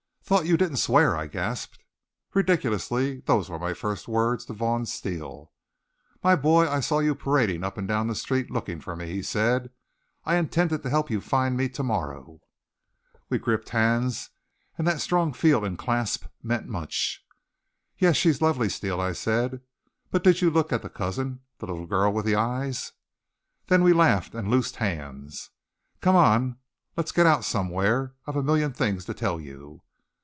"Thought you didn't swear!" I gasped. Ridiculously those were my first words to Vaughn Steele. "My boy, I saw you parading up and down the street looking for me," he said. "I intended to help you find me to morrow." We gripped hands, and that strong feel and clasp meant much. "Yes, she's lovely, Steele," I said. "But did you look at the cousin, the little girl with the eyes?" Then we laughed and loosed hands. "Come on, let's get out somewhere. I've a million things to tell you."